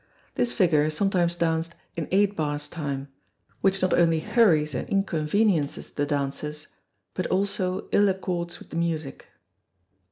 This figure is sometimes danced in eight bars time, which not only hurries and inconveniences the dancers, but also ill accords with the music.